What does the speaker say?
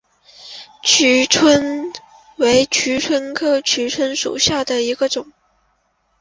蜍蝽为蜍蝽科蜍蝽属下的一个种。